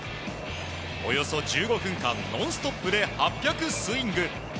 およそ１５分間ノンストップで８００スイング。